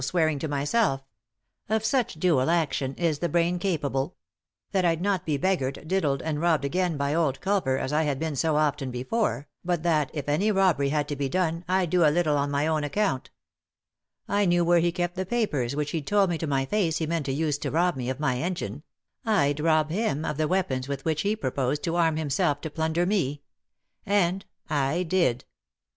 swearing to myself— of such dual action is the brain capable — that I'd not be beggared, diddled, and robbed again 67 3i 9 iii^d by Google THE INTERRUPTED KISS by old Culver as I had been so often before, but that, if any robbery had to be done, I'd do a little on my own account I knew where he kept the papers which he'd told me to my face he meant to use to rob me of my engine— I'd rob him of the weapons with which he proposed to arm himself to plunder me. And — I did.